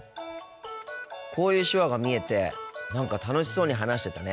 こういう手話が見えて何か楽しそうに話してたね。